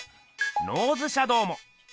ノーズシャドウも。